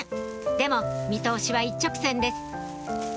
でも見通しは一直線です